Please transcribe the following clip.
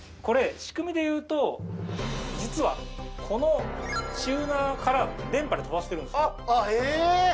これ仕組みで言うと実はこのチューナーから電波で飛ばしてるんですあっえ！